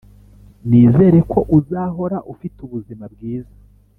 nizere ko uzahora ufite ubuzima bwiza,